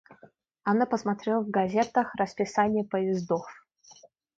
Анна посмотрела в газетах расписание поездов.